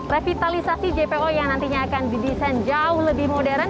revitalisasi jpo yang nantinya akan didesain jauh lebih modern